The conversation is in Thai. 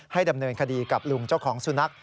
ดำเนินคดีกับลุงเจ้าของสุนัข